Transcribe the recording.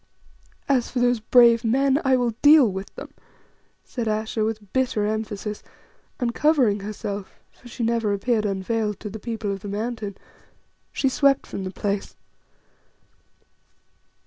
"As for those 'brave men,' I will deal with them," said Ayesha with bitter emphasis, and covering herself for she never appeared unveiled to the people of the Mountain she swept from the place.